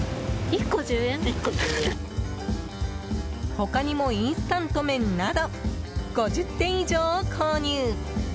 他にもインスタント麺など５０点以上を購入。